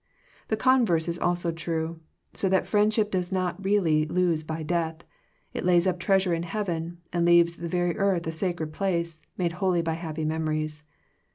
The converse is also true ; so that friend ship does not really lose by death: it lays up treasure in heaven, and leaves the very earth a sacred place, made holy by happy memories.